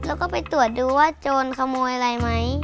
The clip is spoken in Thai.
แล้วก็ไปตรวจดูว่าโจรขโมยอะไรไหม